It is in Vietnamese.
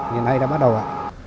hiện nay đã bắt đầu ạ